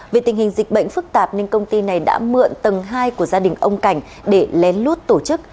vì tình hình dịch bệnh phức tạp nên công ty này đã mượn tầng hai của gia đình ông cảnh để lén lút tổ chức